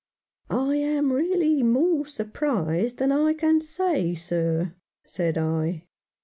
"I am really more surprised than I can say, sir," said I.